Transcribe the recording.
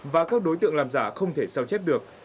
và các đối tượng làm giả không thể sao chép được